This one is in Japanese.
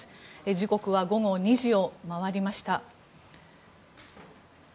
時刻は午後２時を回りました。